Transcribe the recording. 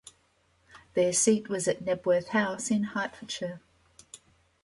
Their seat was at Knebworth House in Hertfordshire.